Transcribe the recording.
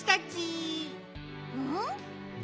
うん？